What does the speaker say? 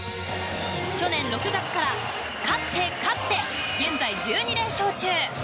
去年６月から勝って、勝って現在１２連勝中。